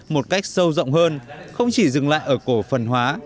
một cách sâu rộng hơn không chỉ dừng lại ở cổ phần hóa